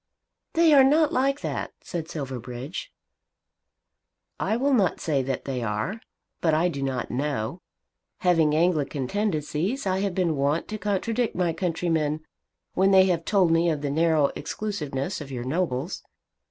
"They are not like that," said Silverbridge. "I will not say that they are, but I do not know. Having Anglican tendencies, I have been wont to contradict my countrymen when they have told me of the narrow exclusiveness of your nobles.